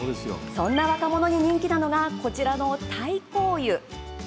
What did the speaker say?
そんな若者に人気なのがこちらの太閤湯。